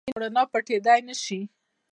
مینه او رڼا پټېدای نه شي.